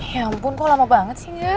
ya ampun kok lama banget sih ya